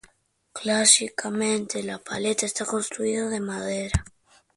Clásicamente la paleta está construida de madera.